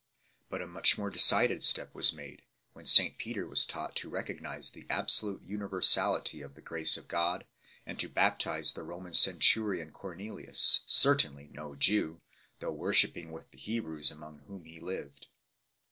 But a much more decided step was made when St Peter was taught to recognize the absolute universality of the grace of God 8 , and to baptize the Roman centurion Cornelius, certainly no Jew, though worshipping with the Hebrews among whom he lived.